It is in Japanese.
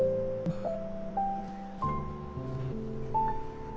あっ！